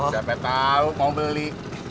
siapa tahu mau beli